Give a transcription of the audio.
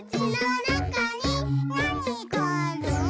「なにがある？」